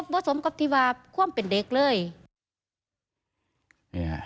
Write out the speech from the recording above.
บ่สมกับทีวาความเป็นเด็กเลย